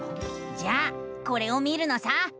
じゃあこれを見るのさ！